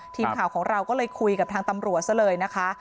ทีมข่าวของเราก็เลยคุยกับทางตำรวจซะเลยนะคะ